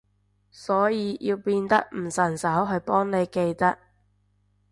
所以要變得唔順手去幫你記得